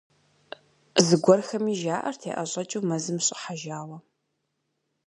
Зыгуэрхэми жаӏэрт яӏэщӏэкӏыу мэзым щӏыхьэжауэ.